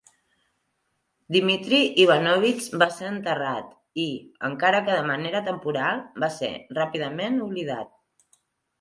Dmitry Ivanovich va ser enterrat i, encara que de manera temporal, va ser ràpidament oblidat.